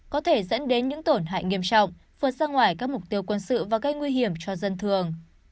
có thể dẫn đến những tổn hại nghiêm trọng vượt ra ngoài các mục tiêu quân sự và gây nguy hiểm cho dân thường